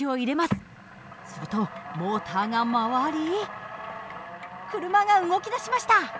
するとモーターが回り車が動き出しました。